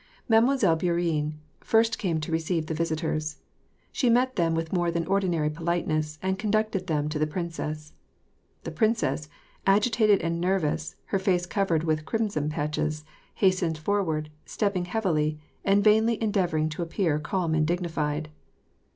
Mademoiselle Bourienne first came to receive the visitors. She met them with more than ordinary politeness, and conducted them to the princess. The princess, agitated and nervous, her face covered with crimson patches, hastened forward, stepping heavily, and vainly endeavoring to appear calm and dignified.